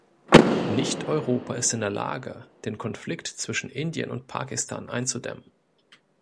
Nicht Europa ist in der Lage, den Konflikt zwischen Indien und Pakistan einzudämmen.